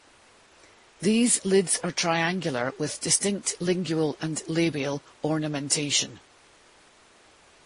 These lids are triangular with distinct lingual and labial ornamentation.